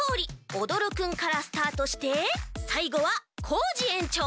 おどるくんからスタートしてさいごはコージえんちょう。